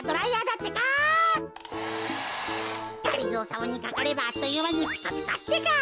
がりぞーさまにかかればあっというまにピカピカってか。